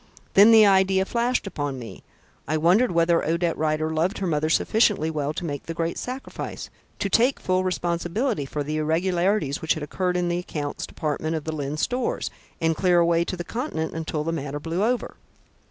Then the idea flashed upon me. I wondered whether Odette Rider loved her mother sufficiently well to make the great sacrifice, to take full responsibility for the irregularities which had occurred in the accounts' department of Lyne's Stores, and clear away to the Continent until the matter blew over.